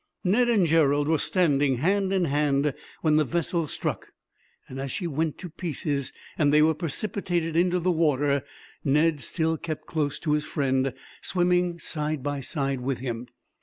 Ned and Gerald were standing, hand in hand, when the vessel struck; and as she went to pieces, and they were precipitated into the water, Ned still kept close to his friend, swimming side by side with him.